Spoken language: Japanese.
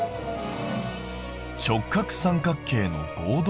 「直角三角形の合同条件」。